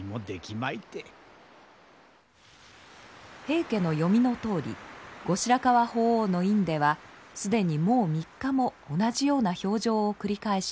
平家の読みのとおり後白河法皇の院では既にもう３日も同じような評定を繰り返しておりました。